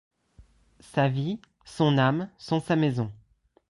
Sa vie, son âme sont sa maison.